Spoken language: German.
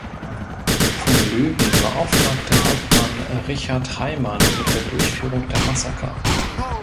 Von Loeben beauftragte Hauptmann Richard Heimann mit der Durchführung der Massaker.